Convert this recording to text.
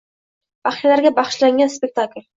Baxshilarga bag‘ishlangan spektakl